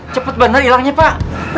cepet bener ilangnya pak